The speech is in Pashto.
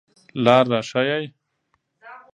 لار را ښایئ